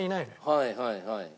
はいはいはい。